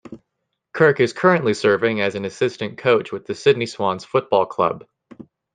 Kirk is currently serving as an assistant coach with the Sydney Swans Football Club.